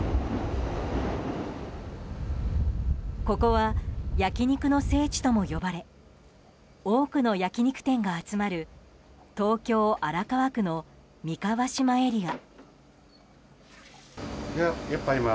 ここは焼き肉の聖地とも呼ばれ多くの焼き肉店が集まる東京・荒川区の三河島エリア。